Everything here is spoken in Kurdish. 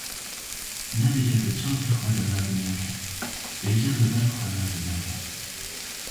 Nebêje di çavê xwe de mezin neke. Bêje li ber xwe mezin neke